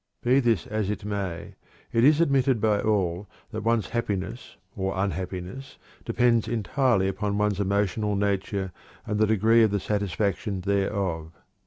Be this as it may, it is admitted by all that one's happiness or unhappiness depends entirely upon one's emotional nature and the degree of the satisfaction thereof.